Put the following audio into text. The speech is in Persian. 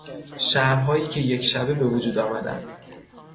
شهرهایی که یک شبه به وجود آمدند